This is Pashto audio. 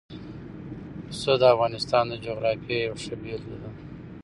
پسه د افغانستان د جغرافیې یوه ښه بېلګه ده.